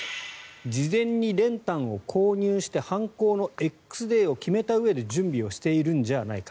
事前に練炭を購入して犯行のＸデーを決めたうえで準備をしているんじゃないか。